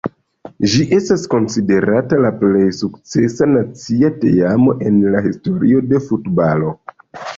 Ĝi estas konsiderata la plej sukcesa nacia teamo en la historio de futbalo.